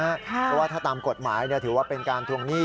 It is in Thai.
เพราะว่าถ้าตามกฎหมายถือว่าเป็นการทวงหนี้